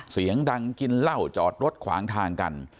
เสียงดังกินเหล้าจอดรถขวางทางกัน